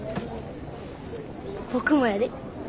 僕もやで。